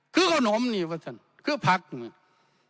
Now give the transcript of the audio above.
คือขนมนี่ว่ะท่านคือผักมันนี่